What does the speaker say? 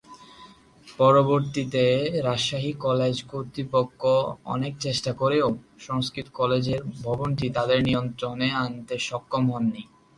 পরবর্তিতে রাজশাহী কলেজ কর্তৃপক্ষ অনেক চেষ্টা করেও সংস্কৃত কলেজের ভবনটি তাদের নিয়ন্ত্রণে আনতে সক্ষম হন নি।